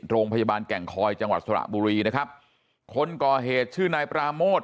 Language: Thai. โรงพยาบาลแก่งคอยจังหวัดสระบุรีนะครับคนก่อเหตุชื่อนายปราโมท